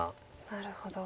なるほど。